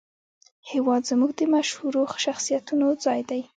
هېواد زموږ د مشهورو شخصیتونو ځای دی